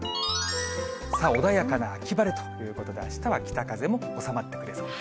穏やかな秋晴れことで、あしたは北風も収まってくれそうです。